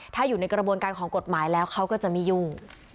ถ้าอยู่ในกระบวนการของกฎหมายแล้วเขาก็จะไม่ยุ่ง